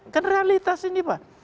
kan realitas ini pak